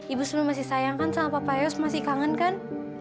ibu sebelum masih sayangkan sama papa yos masih kangen kan